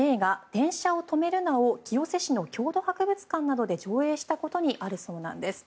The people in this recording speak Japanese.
「電車を止めるな！」を清瀬市の郷土博物館などで上映したことにあるそうなんです。